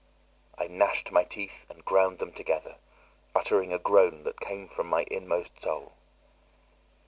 I gnashed my teeth and ground them together, uttering a groan that came from my inmost soul.